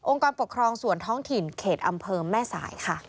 องค์การปกครองสวนท้องถิ่นเขตอำเภอแม่สาย